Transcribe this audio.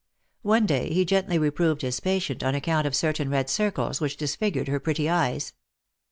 One day he gently reproved his patient on account of certain red circles which disfigured her pretty eyes.